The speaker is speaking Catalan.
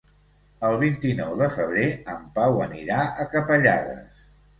El vint-i-nou de febrer en Pau anirà a Capellades.